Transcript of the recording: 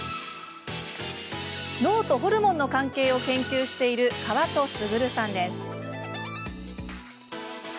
脳とホルモンの関係を研究している川戸佳さんです。